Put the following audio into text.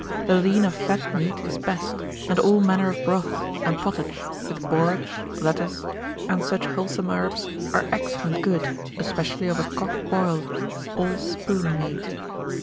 5. The lean of fat meat is best, and all manner of broths, and pottage, with borage, lettuce, and such wholesome herbs are excellent good, especially of a cock boiled; all spoon meat.